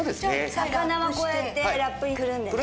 魚はこうやってラップにくるんでね。